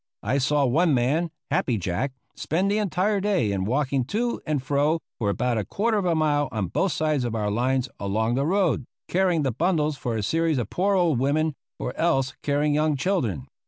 I saw one man, Happy Jack, spend the entire day in walking to and fro for about a quarter of a mile on both sides of our lines along the road, carrying the bundles for a series of poor old women, or else carrying young children.